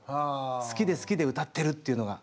好きで好きで歌ってるっていうのが。